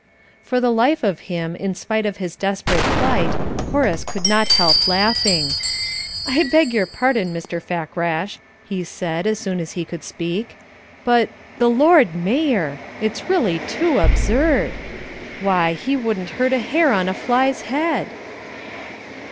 For the life of him, in spite of his desperate plight, Horace could not help laughing. "I beg your pardon, Mr. Fakrash," he said, as soon as he could speak, "but the Lord Mayor! It's really too absurd. Why, he wouldn't hurt a hair on a fly's head!"